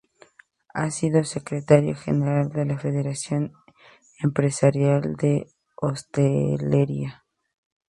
Ha sido secretario general de la Federación Empresarial de Hostelería.